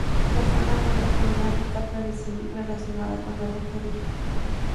La zona cuenta con una rica tradición relacionada con la brujería.